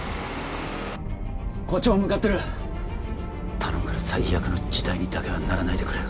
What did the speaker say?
こっちも向かってる頼むから最悪の事態にだけはならないでくれよ